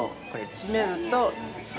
◆締めると。